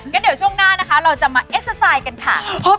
ก็เดี๋ยวช่วงหน้านะคะเราจะมาเอ็กซาไซด์กันค่ะ